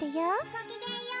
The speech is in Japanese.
・ごきげんよう。